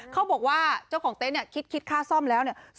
เขาบอกว่าเจ้าของเต็นต์เนี่ยคิดค่าซ่อมแล้วเนี่ย